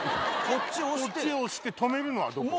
こっち押して止めるのはどこ？